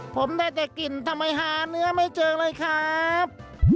ผมได้แต่กลิ่นทำไมหาเนื้อไม่เจอเลยครับ